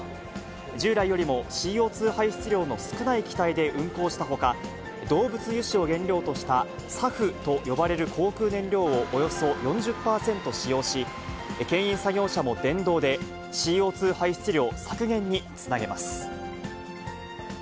従来よりもＣＯ２排出量の少ない機体で運航したほか、動物油脂を原料としたサフと呼ばれる航空燃料をおよそ４０％使用し、けん引作業車も電動で、ＣＯ２排出量削減につなげます。